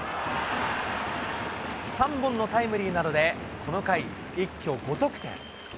３本のタイムリーなどでこの回、一挙５得点。